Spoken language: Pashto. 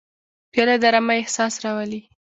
پیاله د ارامۍ احساس راولي.